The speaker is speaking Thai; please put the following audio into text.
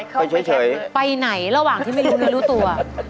ไปเฉยไปไหนระหว่างที่ไม่รู้เนื้อรู้ตัว